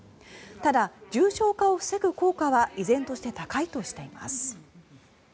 ただ、重症化を防ぐ効果は依然として高いとしています。